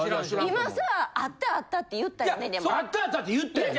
今さ「あったあった」って言ったよね？